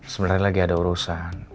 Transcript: sebenernya lagi ada urusan